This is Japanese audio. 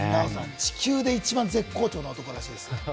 地球で一番絶好調な男だそうです。